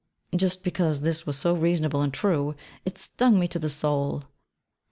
Just because this was so reasonable and true, it stung me to the soul.